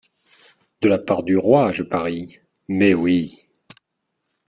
De la part du roi, je parie ? Mais oui.